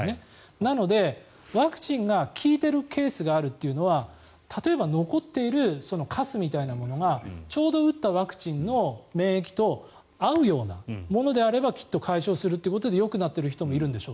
なので、ワクチンが効いているケースがあるというのは例えば残っているかすみたいなものがちょうど打ったワクチンの免疫と合うようなものであればきっと解消するということでよくなってる人もいるんでしょう。